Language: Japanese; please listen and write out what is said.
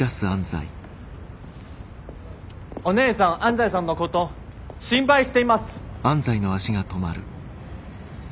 お姉さん安西さんのこと心配しています。